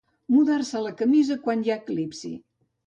Mudar-se la camisa quan hi ha eclipsi.